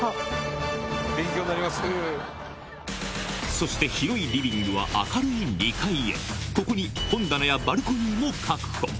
そして広いリビングは明るい２階へここに本棚やバルコニーも確保